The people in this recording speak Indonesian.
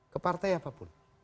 ke partai apapun